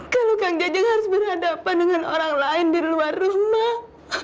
kalau kang jajeng harus berhadapan dengan orang lain di luar rumah